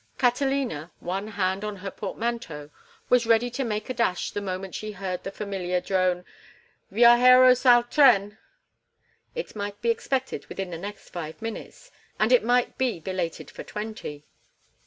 Catalina, one hand on her portmanteau, was ready to make a dash the moment she heard the familiar drone, "Viajeros al tren." It might be expected within the next five minutes, and it might be belated for twenty.